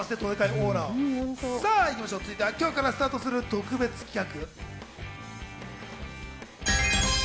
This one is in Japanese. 続いては今日からスタートする特別企画。